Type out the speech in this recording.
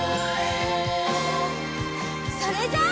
それじゃあ。